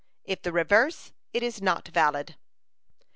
If the reverse, it is not valid."